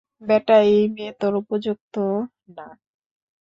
ব্যাটা, এই মেয়ে তোর উপযুক্ত না।